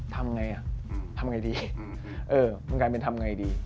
ทำไงอ่ะทำไงดีเออมันกลายเป็นทำไงดี